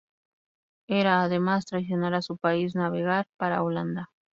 Era, además, traicionar a su país navegar para "Holanda".